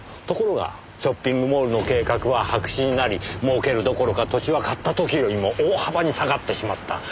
ところがショッピングモールの計画は白紙になりもうけるどころか土地は買った時よりも大幅に下がってしまった。